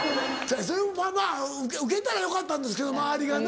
それもまぁまぁウケたらよかったんですけど周りがな。